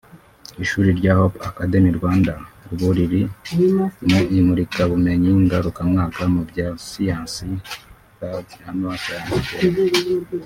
Ishuri rya Hope Academy Rwanda ubu riri mu imurikabumenyi ngarukamwaka mu bya Siyansi “Third Annual Science Fair”